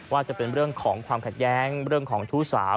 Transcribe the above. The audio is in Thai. ว่าจะเป็นเรื่องของความขัดแย้งเรื่องของชู้สาว